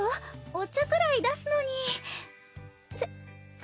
お茶くらい出すのに。